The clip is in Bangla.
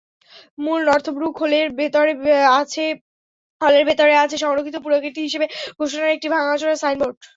মূল নর্থব্রুক হলের ভেতরে আছে সংরক্ষিত পুরাকীর্তি হিসেবে ঘোষণার একটি ভাঙাচোরা সাইনবোর্ড।